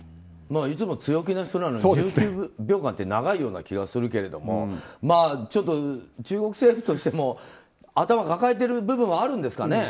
いつも強気な人なのに１９秒間って長いような気がするけれどもちょっと中国政府としても頭を抱えてる部分はあるんですかね。